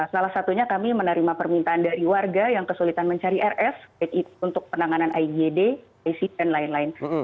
salah satunya kami menerima permintaan dari warga yang kesulitan mencari rf untuk penanganan igd ac dan lain lain